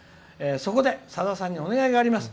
そこで、さださんにお願いがあります。